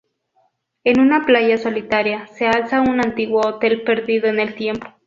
En una playa solitaria, se alza un antiguo hotel perdido en el tiempo.